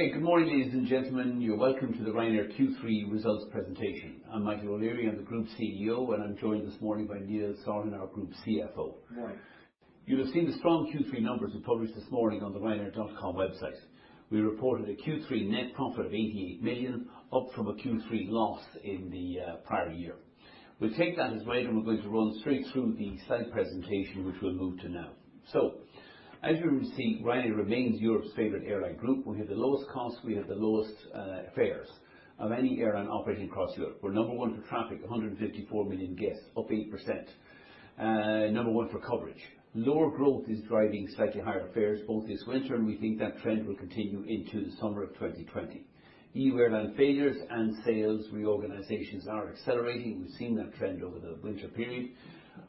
Okay. Good morning, ladies and gentlemen. You're welcome to the Ryanair Q3 Results Presentation. I'm Michael O'Leary, I'm the Group CEO. I'm joined this morning by Neil Sorahan, our Group CFO. Morning. You'll have seen the strong Q3 numbers we published this morning on the Ryanair.com website. We reported a Q3 net profit of 88 million, up from a Q3 loss in the prior year. We'll take that as read. We're going to run straight through the slide presentation, which we'll move to now. As you can see, Ryanair remains Europe's favorite airline group. We have the lowest cost, we have the lowest fares of any airline operating across Europe. We're number one for traffic, 154 million guests, up 8%. Number one for coverage. Lower growth is driving slightly higher fares both this winter. We think that trend will continue into the summer of 2020. EU airline failures and sales reorganizations are accelerating. We've seen that trend over the winter period.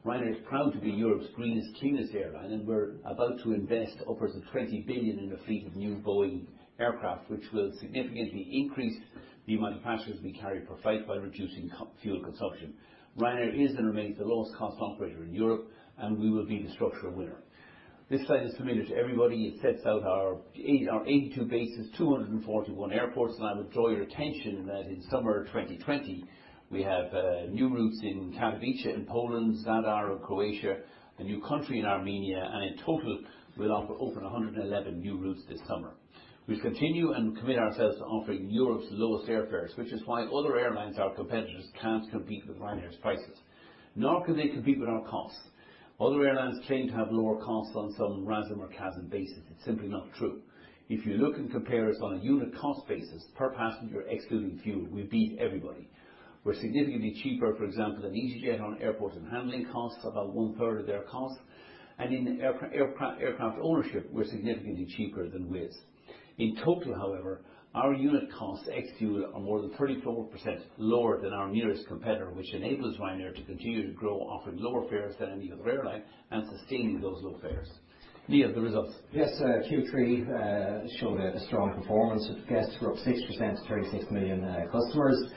Ryanair's proud to be Europe's greenest, cleanest airline, and we're about to invest upwards of 20 billion in a fleet of new Boeing aircraft, which will significantly increase the amount of passengers we carry per flight by reducing fuel consumption. Ryanair is and remains the lowest cost operator in Europe. We will be the structural winner. This slide is familiar to everybody. It sets out our 82 bases, 241 airports. I would draw your attention that in summer 2020, we have new routes in Katowice in Poland, Zadar in Croatia, a new country in Armenia, and in total, we'll offer over 111 new routes this summer. We've continued and commit ourselves to offering Europe's lowest airfares, which is why other airlines, our competitors, can't compete with Ryanair's prices, nor can they compete with our costs. Other airlines claim to have lower costs on some RASM or CASM bases. It's simply not true. If you look and compare us on a unit cost basis per passenger excluding fuel, we beat everybody. We're significantly cheaper, for example, than easyJet on airport and handling costs, about one-third of their cost, and in aircraft ownership, we're significantly cheaper than Wizz. In total, however, our unit costs ex fuel are more than 34% lower than our nearest competitor, which enables Ryanair to continue to grow, offering lower fares than any other airline and sustaining those low fares. Neil, the results. Yes. Q3 showed a strong performance, with guests who are up 6% to 36 million customers.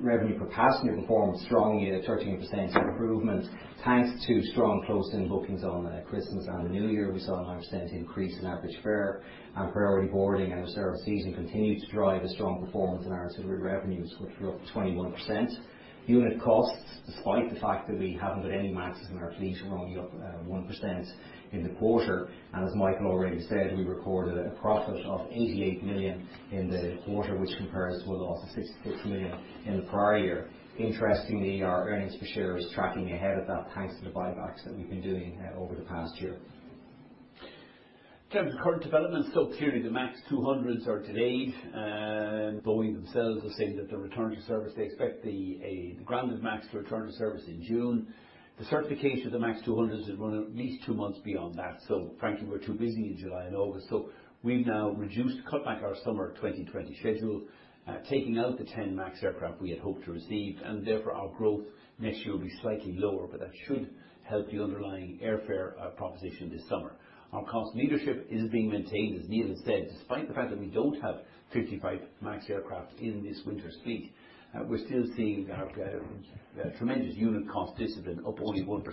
Revenue per passenger performed strongly at 13% improvement, thanks to strong close-in bookings on Christmas and the New Year. We saw a 9% increase in average fare. Priority Boarding and Reserved Seating continued to drive a strong performance in our subsidiary revenues, which were up 21%. Unit costs, despite the fact that we haven't got any MAX in our fleet, were only up 1% in the quarter. As Michael already said, we recorded a profit of 88 million in the quarter, which compares to a loss of 66 million in the prior year. Interestingly, our earnings per share is tracking ahead of that thanks to the buybacks that we've been doing over the past year. In terms of current developments, clearly the MAX 200s are delayed. Boeing themselves have said that they're returning to service. They expect the grounded MAX to return to service in June. The certification of the MAX 200 is going to run at least two months beyond that. Frankly, we're too busy in July and August, so we've now reduced, cut back our summer 2020 schedule, taking out the 10 MAX aircraft we had hoped to receive, and therefore, our growth next year will be slightly lower, but that should help the underlying airfare proposition this summer. Our cost leadership is being maintained, as Neil has said. Despite the fact that we don't have 55 MAX aircraft in this winter's fleet, we're still seeing tremendous unit cost discipline up only 1%.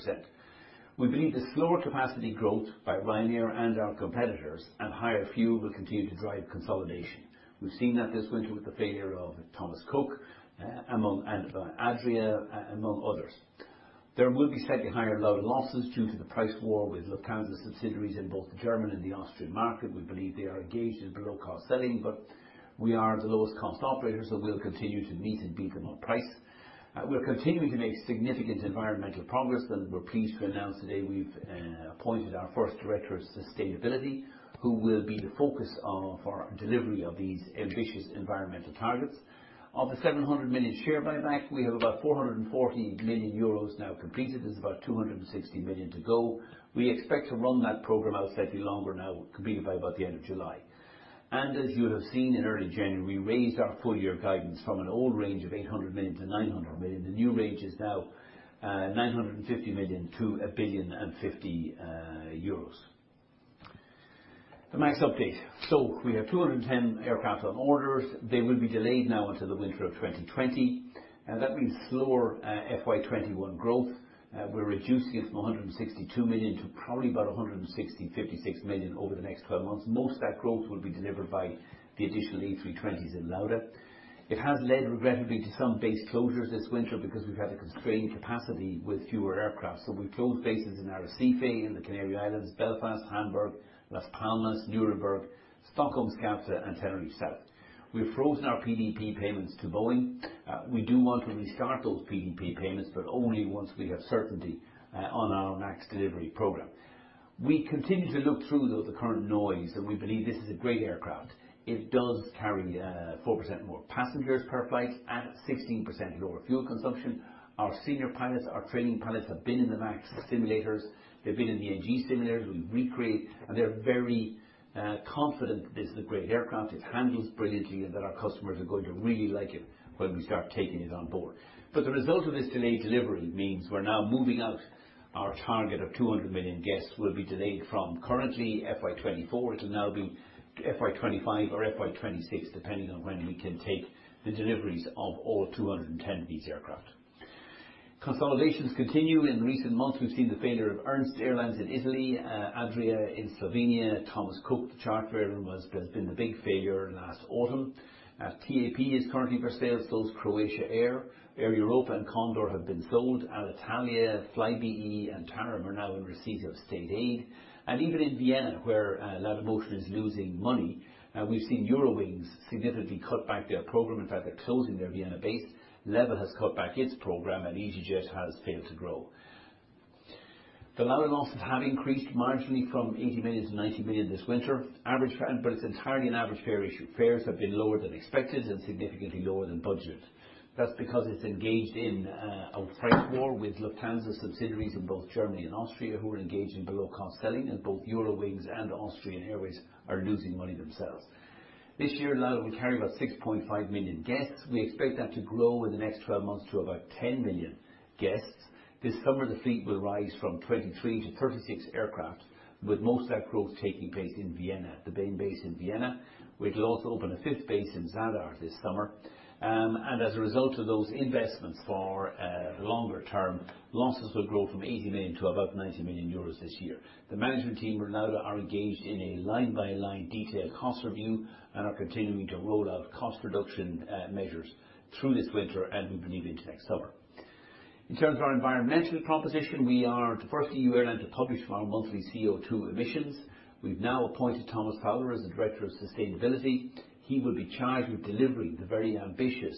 We believe the slower capacity growth by Ryanair and our competitors and higher fuel will continue to drive consolidation. We've seen that this winter with the failure of Thomas Cook and Adria, among others. There will be slightly higher load losses due to the price war with Lufthansa subsidiaries in both the German and the Austrian market. We believe they are engaged in below cost selling, but we are the lowest cost operator, so we'll continue to meet and beat them on price. We're continuing to make significant environmental progress and we're pleased to announce today we've appointed our first director of sustainability who will be the focus of our delivery of these ambitious environmental targets. Of the 700 million share buyback, we have about 440 million euros now completed. There's about 260 million to go. We expect to run that program out slightly longer now, completed by about the end of July. As you'll have seen in early January, we raised our full year guidance from an old range of 800 million-900 million. The new range is now 950 million to 1 billion 50 million. The MAX update. We have 210 aircraft on orders. They will be delayed now until the winter of 2020. That means slower FY 2021 growth. We're reducing it from 162 million to probably about 160 million, 156 million over the next 12 months. Most of that growth will be delivered by the additional A320s in Lauda. It has led, regrettably, to some base closures this winter because we've had a constrained capacity with fewer aircraft. We've closed bases in Arrecife in the Canary Islands, Belfast, Hamburg, Las Palmas, Nuremberg, Stockholm Skavsta, and Tenerife South. We've frozen our PDP payments to Boeing. We do want to restart those PDP payments, only once we have certainty on our MAX delivery program. We continue to look through the current noise and we believe this is a great aircraft. It does carry 4% more passengers per flight at 16% lower fuel consumption. Our senior pilots, our training pilots, have been in the MAX simulators. They've been in the NG simulators. We've recreated, and they're very confident this is a great aircraft, it handles brilliantly, and that our customers are going to really like it when we start taking it on board. The result of this delayed delivery means we're now moving out our target of 200 million guests will be delayed from currently FY 2024 to now be FY 2025 or FY 2026, depending on when we can take the deliveries of all 210 of these aircraft. Consolidations continue. In recent months, we've seen the failure of Ernest Airlines in Italy, Adria in Slovenia, Thomas Cook, the charter that has been the big failure last autumn. TAP is currently for sale, so is Croatia Air. Air Europa and Condor have been sold. Alitalia, Flybe and Tarom are now in receipt of state aid. Even in Vienna, where Laudamotion is losing money, we've seen Eurowings significantly cut back their program. In fact, they're closing their Vienna base. Level has cut back its program, and easyJet has failed to grow. The Lauda losses have increased marginally from 80 million to 90 million this winter. It's entirely an average fare issue. Fares have been lower than expected and significantly lower than budget. That's because it's engaged in a price war with Lufthansa subsidiaries in both Germany and Austria, who are engaged in below-cost selling, and both Eurowings and Austrian Airlines are losing money themselves. This year, Lauda will carry about 6.5 million guests. We expect that to grow in the next 12 months to about 10 million guests. This summer, the fleet will rise from 23 to 36 aircraft, with most of that growth taking place in Vienna, the main base in Vienna. We'll also open a fifth base in Zadar this summer. As a result of those investments for longer term, losses will grow from 80 million to about 90 million euros this year. The management team at Lauda are engaged in a line-by-line detailed cost review and are continuing to roll out cost reduction measures through this winter and we believe into next summer. In terms of our environmental proposition, we are the first EU airline to publish our monthly CO2 emissions. We've now appointed Thomas Fowler as the Director of Sustainability. He will be charged with delivering the very ambitious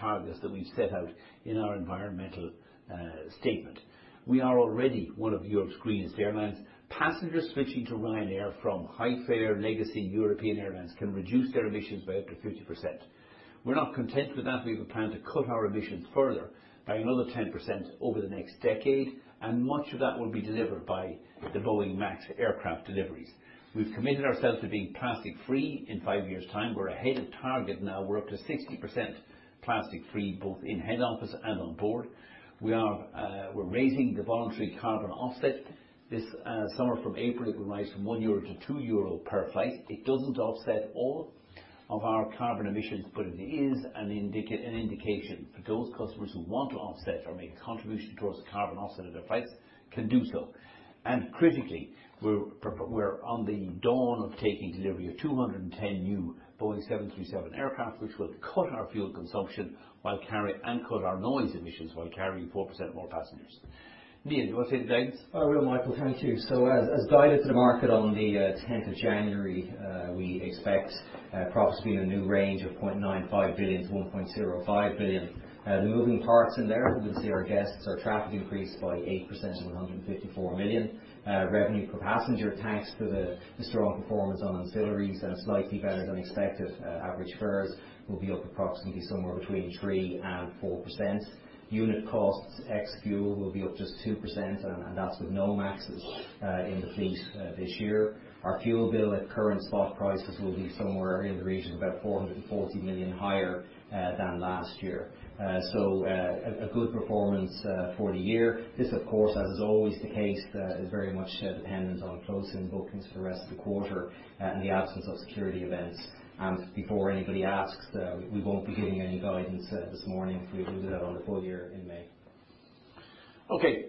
targets that we've set out in our environmental statement. We are already one of Europe's greenest airlines. Passengers switching to Ryanair from high-fare legacy European airlines can reduce their emissions by up to 50%. We're not content with that. We have a plan to cut our emissions further by another 10% over the next decade, and much of that will be delivered by the Boeing MAX aircraft deliveries. We've committed ourselves to being plastic free in five years' time. We're ahead of target now. We're up to 60% plastic free, both in head office and on board. We're raising the voluntary carbon offset this summer from April. It will rise from 1 euro to 2 euro per flight. It doesn't offset all of our carbon emissions, but it is an indication for those customers who want to offset or make a contribution towards the carbon offset of their flights can do so. Critically, we're on the dawn of taking delivery of 210 new Boeing 737 aircraft, which will cut our fuel consumption and cut our noise emissions while carrying 4% more passengers. Neil, do you want to take the guidance? I will, Michael. Thank you. As guided to the market on the January 10th, we expect profits to be in a new range of 0.95 billion-1.05 billion. The moving parts in there, we will see our guests, our traffic increase by 8% of 154 million. Revenue per passenger, thanks to the strong performance on ancillaries and a slightly better than expected average fares, will be up approximately somewhere between 3% and 4%. Unit costs, ex-fuel, will be up just 2%, and that's with no MAXes in the fleet this year. Our fuel bill at current spot prices will be somewhere in the region of about 440 million higher than last year. A good performance for the year. This, of course, as is always the case, is very much dependent on closing bookings for the rest of the quarter and the absence of security events. Before anybody asks, we won't be giving any guidance this morning. We will do that on the full year in May. Okay,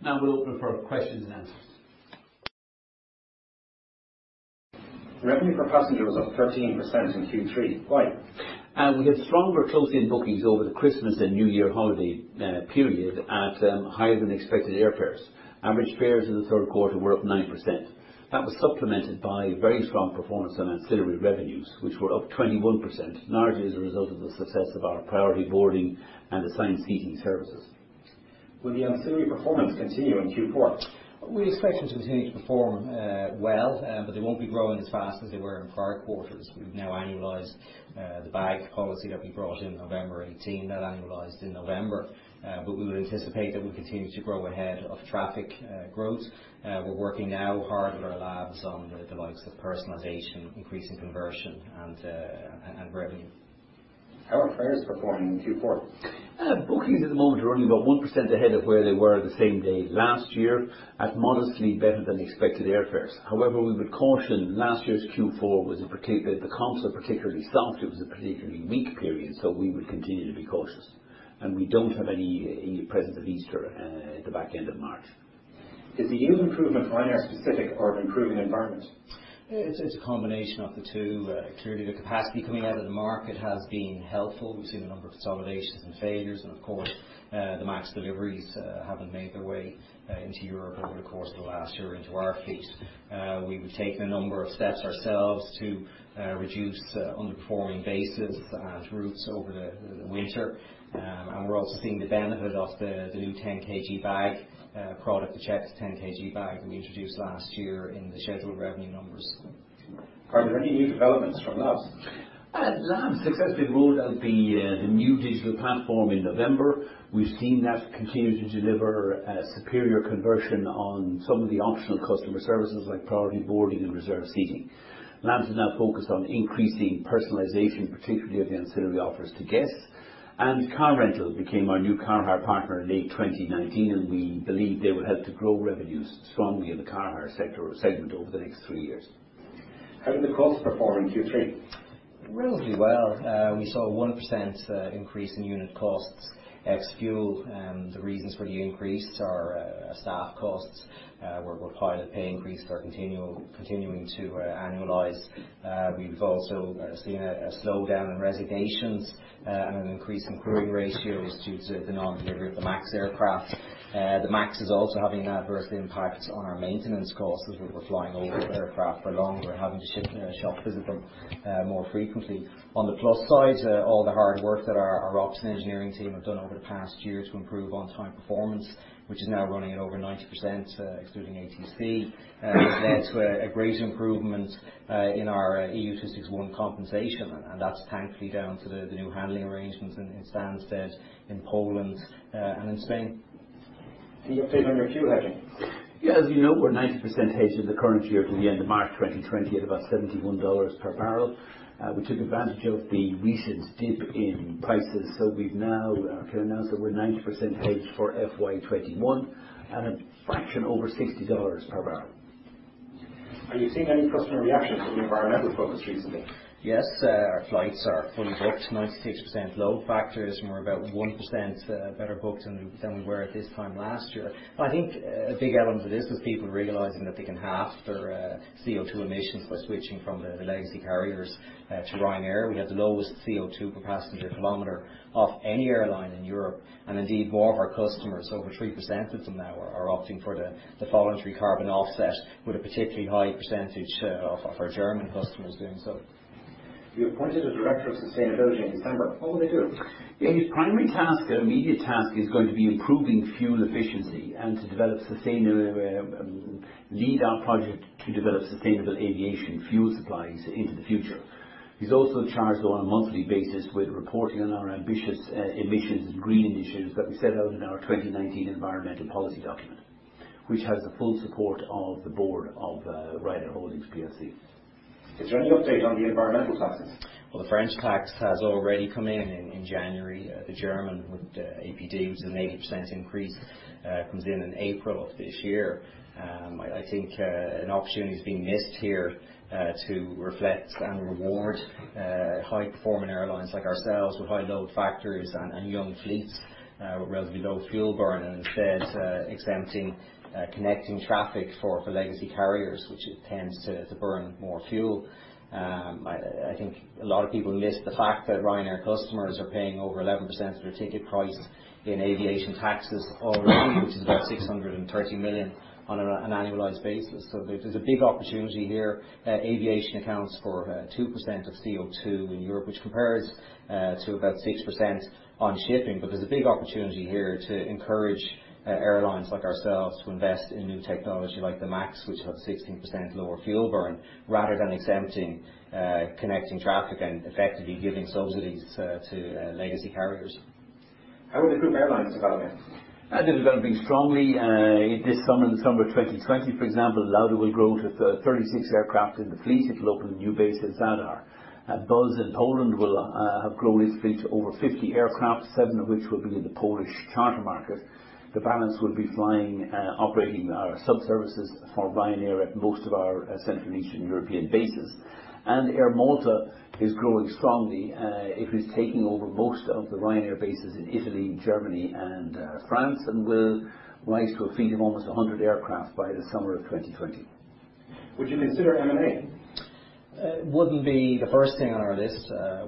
now we'll open for questions and answers. Revenue per passenger was up 13% in Q3. Why? We had stronger close-in bookings over the Christmas and New Year holiday period at higher than expected airfares. Average fares in the third quarter were up 9%. That was supplemented by very strong performance on ancillary revenues, which were up 21%, largely as a result of the success of our Priority Boarding and assigned seating services. Will the ancillary performance continue in Q4? We expect them to continue to perform well, but they won't be growing as fast as they were in prior quarters. We've now annualized the bag policy that we brought in November 2018. That annualized in November. We would anticipate that we continue to grow ahead of traffic growth. We're working now hard with our labs on the likes of personalization, increasing conversion, and revenue. How are fares performing in Q4? Bookings at the moment are only about 1% ahead of where they were the same day last year at modestly better than expected airfares. We would caution, last year's Q4, the comps were particularly soft. It was a particularly weak period. We would continue to be cautious. We don't have any presence of Easter at the back end of March. Is the yield improvement Ryanair specific or an improving environment? It's a combination of the two. Clearly, the capacity coming out of the market has been helpful. We've seen a number of consolidations and failures, and of course, the MAX deliveries haven't made their way into Europe over the course of the last year into our fleet. We've taken a number of steps ourselves to reduce underperforming bases and routes over the winter, and we're also seeing the benefit of the new 10 kg bag product, the checked 10 kg bag that we introduced last year in the scheduled revenue numbers. Are there any new developments from Labs? Labs successfully rolled out the new digital platform in November. We've seen that continue to deliver superior conversion on some of the optional customer services like Priority Boarding and Reserved Seating. Labs is now focused on increasing personalization, particularly of the ancillary offers to guests. Car rental became our new car hire partner in late 2019, and we believe they will help to grow revenues strongly in the car hire segment over the next three years. How did the costs perform in Q3? Relatively well. We saw a 1% increase in unit costs, ex-fuel. The reasons for the increase are staff costs, where pilot pay increase are continuing to annualize. We've also seen a slowdown in resignations and an increase in crewing ratios due to the non-delivery of the MAX aircraft. The MAX is also having an adverse impact on our maintenance costs as we're flying older aircraft for longer and having to shop visit them more frequently. On the plus side, all the hard work that our ops and engineering team have done over the past year to improve on-time performance, which is now running at over 90%, excluding ATC, led to a great improvement in our EU261 compensation. That's thankfully down to the new handling arrangements in Stansted, in Poland, and in Spain. Any update on your fuel hedging? Yeah. As you know, we're 90% hedged in the current year to the end of March 2020 at about $71 per barrel. We took advantage of the recent dip in prices. I can announce that we're 90% hedged for FY 2021 at a fraction over $60 per barrel. Are you seeing any customer reaction to the environmental focus recently? Yes, our flights are fully booked, 96% load factors, and we're about 1% better booked than we were at this time last year. I think a big element of this is people realizing that they can halve their CO2 emissions by switching from the legacy carriers to Ryanair. We have the lowest CO2 per passenger kilometer of any airline in Europe. Indeed, more of our customers, over 3% of them now, are opting for the voluntary carbon offset with a particularly high percentage of our German customers doing so. You appointed a Director of Sustainability in December. What will they do? His primary task and immediate task is going to be improving fuel efficiency and to lead our project to develop sustainable aviation fuel supplies into the future. He is also charged on a monthly basis with reporting on our ambitious emissions and green initiatives that we set out in our 2019 environmental policy document, which has the full support of the board of Ryanair Holdings PLC. Is there any update on the environmental taxes? Well, the French tax has already come in in January. The German APD, which is an 80% increase, comes in in April of this year. I think an opportunity is being missed here to reflect and reward high-performing airlines like ourselves with high load factors and young fleets with relatively low fuel burn and instead exempting connecting traffic for legacy carriers, which tends to burn more fuel. I think a lot of people miss the fact that Ryanair customers are paying over 11% of their ticket price in aviation taxes already, which is about 630 million on an annualized basis. There's a big opportunity here. Aviation accounts for 2% of CO2 in Europe, which compares to about 6% on shipping. There's a big opportunity here to encourage airlines like ourselves to invest in new technology like the MAX, which has 16% lower fuel burn, rather than exempting connecting traffic and effectively giving subsidies to legacy carriers. How are the group airlines developing? They're developing strongly. This summer, the summer of 2020, for example, Lauda will grow to 36 aircraft in the fleet. It will open a new base at Zadar. Buzz in Poland will have grown its fleet to over 50 aircraft, seven of which will be in the Polish charter market. The balance will be operating our sub-services for Ryanair at most of our Central and Eastern European bases. Malta Air is growing strongly. It is taking over most of the Ryanair bases in Italy, Germany, and France, and will rise to a fleet of almost 100 aircraft by the summer of 2020. Would you consider M&A? It wouldn't be the first thing on our list.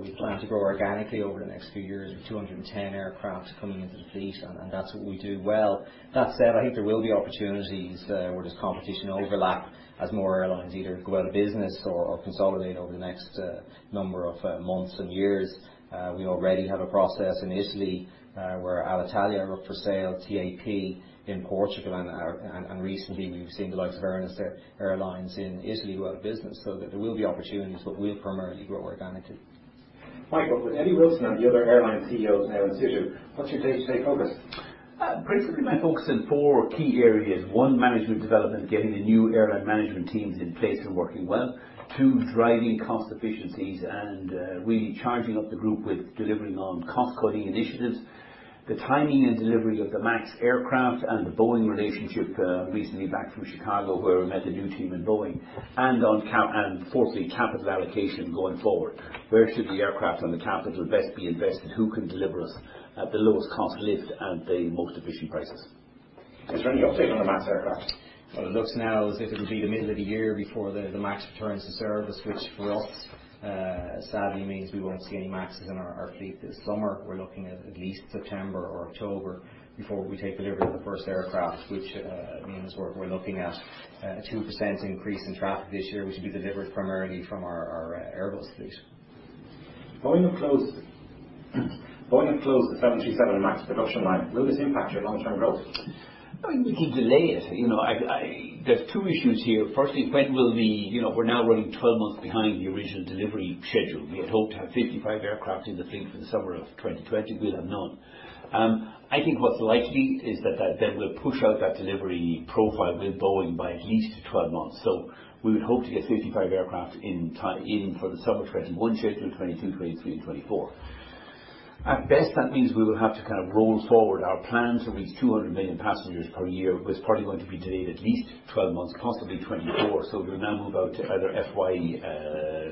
We plan to grow organically over the next few years with 210 aircraft coming into the fleet. That's what we do well. That said, I think there will be opportunities where there's competition overlap as more airlines either go out of business or consolidate over the next number of months and years. We already have a process in Italy where Alitalia are up for sale, TAP in Portugal. Recently we've seen the likes of Ernest Airlines in Italy go out of business. There will be opportunities, but we'll primarily grow organically. Michael, with Eddie Wilson and the other airline CEOs now in situ, what's your day-to-day focus? Basically, my focus in four key areas. One, management development, getting the new airline management teams in place and working well. Two, driving cost efficiencies and really charging up the group with delivering on cost-cutting initiatives. The timing and delivery of the MAX aircraft and the Boeing relationship, recently back from Chicago, where we met the new team in Boeing. Fourthly, capital allocation going forward. Where should the aircraft and the capital best be invested? Who can deliver us at the lowest cost lift at the most efficient prices? Is there any update on the MAX aircraft? Well, it looks now as if it'll be the middle of the year before the MAX returns to service, which for us, sadly means we won't see any MAX in our fleet this summer. We're looking at least September or October before we take delivery of the first aircraft, which means we're looking at a 2% increase in traffic this year, which will be delivered primarily from our Airbus fleet. Boeing have closed the 737 MAX production line. Will this impact your long-term growth? I think it'll delay it. There's two issues here. Firstly, we're now running 12 months behind the original delivery schedule. We had hoped to have 55 aircraft in the fleet for the summer of 2020. We'll have none. I think what's likely is that that will push out that delivery profile with Boeing by at least 12 months. We would hope to get 55 aircraft in for the summer of 2021 schedule, 2022, 2023, and 2024. At best, that means we will have to roll forward our plans to reach 200 million passengers per year was probably going to be delayed at least 12 months, possibly 24. We're now about to either FY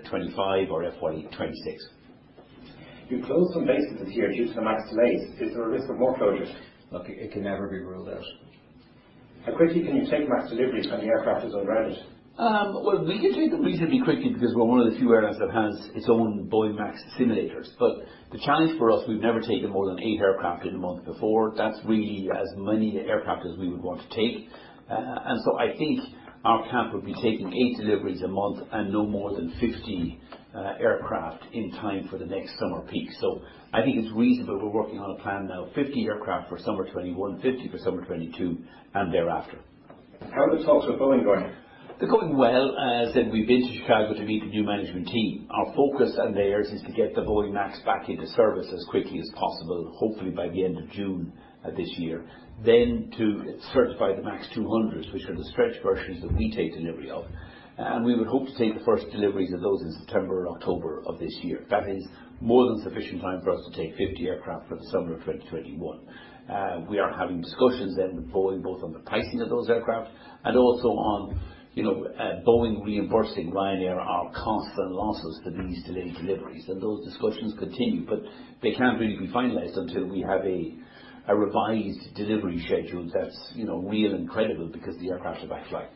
2025 or FY 2026. You closed some bases this year due to the MAX delays. Is there a risk of more closures? Look, it can never be ruled out. How quickly can you take MAX deliveries when the aircraft is on the ground? Well, we can take them reasonably quickly because we're one of the few airlines that has its own Boeing MAX simulators. The challenge for us, we've never taken more than eight aircraft in a month before. That's really as many aircraft as we would want to take. I think our cap would be taking eight deliveries a month and no more than 50 aircraft in time for the next summer peak. I think it's reasonable. We're working on a plan now, 50 aircraft for summer 2021, 50 for summer 2022, and thereafter. How are the talks with Boeing going? They're going well. As said, we've been to Chicago to meet the new management team. Our focus and theirs is to get the Boeing MAX back into service as quickly as possible, hopefully by the end of June this year. To certify the MAX 200s, which are the stretch versions that we take delivery of. We would hope to take the first deliveries of those in September or October of this year. That is more than sufficient time for us to take 50 aircraft for the summer of 2021. We are having discussions then with Boeing, both on the pricing of those aircraft and also on Boeing reimbursing Ryanair our costs and losses for these delayed deliveries. Those discussions continue, but they can't really be finalized until we have a revised delivery schedule that's real and credible because the aircraft are back flying.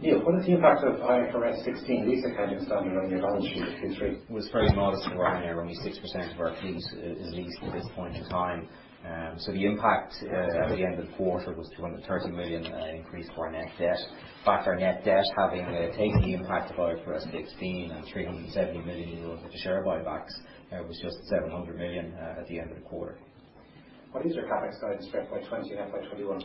Neil, what is the impact of IFRS 16 Leases on your balance sheet in Q3? Was very modest for Ryanair. Only 6% of our fleet is leased at this point in time. The impact at the end of the quarter was 230 million increase for our net debt. In fact, our net debt having taken the impact of IFRS 16 and 370 million euros in Europe for share buybacks, was just 700 million at the end of the quarter. What is your CapEx guidance for FY 2020 and FY 2021?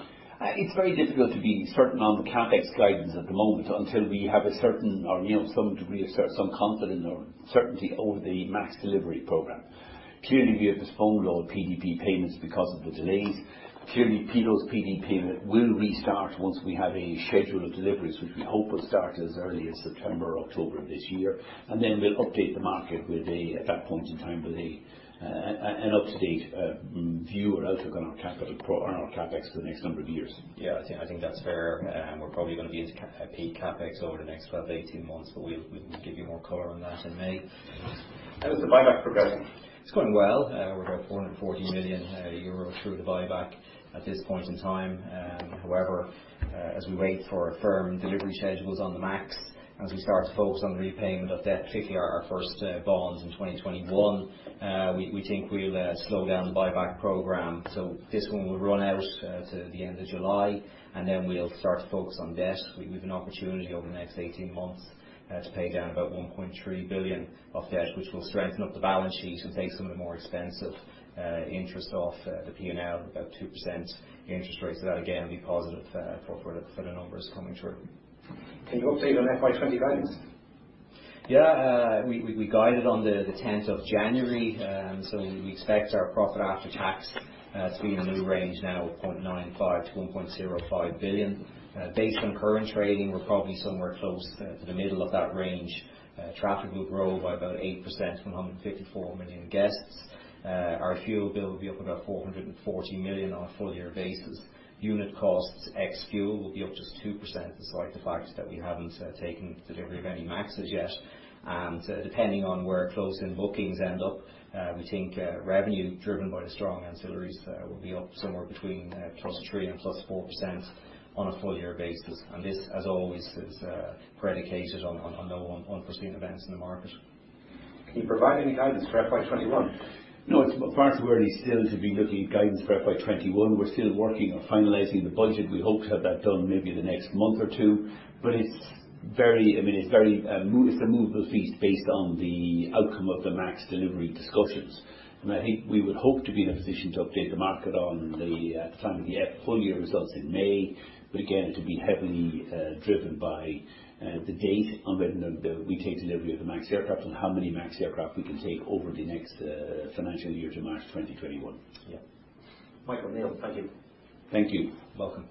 It's very difficult to be certain on the CapEx guidance at the moment until we have a certain or some degree of certain confidence or certainty over the MAX delivery program. Clearly, we have postponed all PDP payments because of the delays. Clearly, PDP payment will restart once we have a schedule of deliveries, which we hope will start as early as September or October of this year. We'll update the market with a, at that point in time, with an up-to-date view or outlook on our CapEx for the next number of years. Yeah, I think that's fair. We're probably going to be into peak CapEx over the next 12-18 months, but we'll give you more color on that in May. How is the buyback progressing? It's going well. We're about 440 million euros through the buyback at this point in time. As we wait for firm delivery schedules on the MAX, as we start to focus on repayment of debt, particularly our first bonds in 2021, we think we'll slow down the buyback program. This one will run out to the end of July, we'll start to focus on debt. We've an opportunity over the next 18 months to pay down about 1.3 billion of debt, which will strengthen up the balance sheet and take some of the more expensive interest off the P&L, about 2% interest rate. That again, will be positive for the numbers coming through. Can you update on FY 2020 guidance? We guided on the January 10th, we expect our profit after tax to be in the new range now of 0.95 billion to 1.05 billion. Based on current trading, we're probably somewhere close to the middle of that range. Traffic will grow by about 8%, 154 million guests. Our fuel bill will be up about 440 million on a full year basis. Unit costs ex fuel will be up just 2%, despite the fact that we haven't taken delivery of any MAXes yet. Depending on where close-in bookings end up, we think revenue driven by the strong ancillaries will be up somewhere between +3% and +4% on a full year basis. This, as always, is predicated on no unforeseen events in the market. Can you provide any guidance for FY 2021? No, it's far too early still to be looking at guidance for FY 2021. We're still working on finalizing the budget. We hope to have that done maybe in the next month or two. It's a moveable feast based on the outcome of the MAX delivery discussions. I think we would hope to be in a position to update the market on the time of the full year results in May. Again, it'll be heavily driven by the date on whether we take delivery of the MAX aircraft and how many MAX aircraft we can take over the next financial year to March 2021. Yeah. Michael, Neil, thank you. Thank you. Welcome.